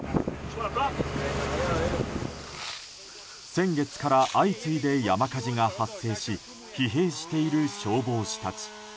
先月から相次いで山火事が発生し疲弊している消防士たち。